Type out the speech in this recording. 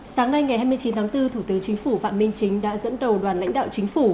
sáng nay ngày hai mươi chín tháng bốn thủ tướng chính phủ phạm minh chính đã dẫn đầu đoàn lãnh đạo chính phủ